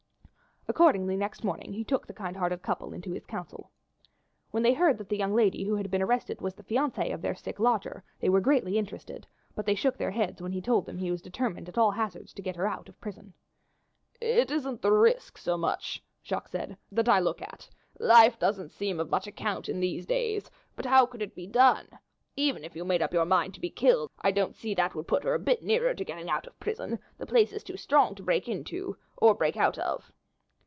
Accordingly, next morning he took the kind hearted couple into his counsel. When they heard that the young lady who had been arrested was the fiance of their sick lodger they were greatly interested, but they shook their heads when he told them that he was determined at all hazards to get her out of prison. "It isn't the risk so much," Jacques said, "that I look at. Life doesn't seem of much account in these days; but how could it be done? Even if you made up your mind to be killed, I don't see that would put her a bit nearer to getting out of prison; the place is too strong to break into or to break out of."